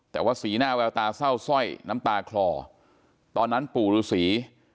แต่ว่าสีหน้าแววตาเศร้าสร้อยน้ำตาคลอตอนนั้นปู่ฤษี